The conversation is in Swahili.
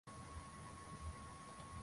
inafanyika kama ilivyopangwa na kwa wakati